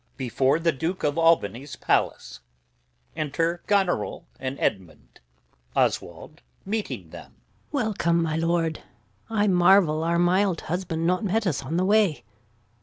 Before the Duke of Albany's Palace. Enter Goneril and [Edmund the] Bastard. Gon. Welcome, my lord. I marvel our mild husband Not met us on the way.